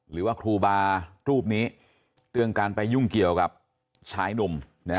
หรือว่าครูบารูปนี้เรื่องการไปยุ่งเกี่ยวกับชายหนุ่ม